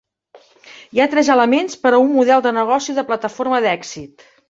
Hi ha tres elements per a un model de negoci de plataforma d'èxit.